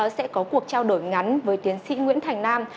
sẽ có cuộc trao đổi ngắn với tiến sĩ nguyễn thành nam